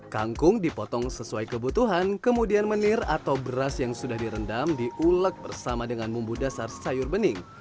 kangkung dipotong sesuai kebutuhan kemudian menir atau beras yang sudah direndam diulek bersama dengan bumbu dasar sayur bening